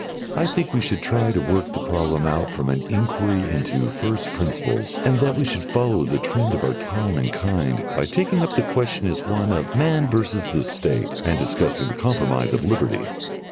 I think we should try to work the problem out from an inquiry into first principles, and that we should follow the trend of our time and kind by taking up the question as one of "Man versus the State," and discussing the compromise of Liberty.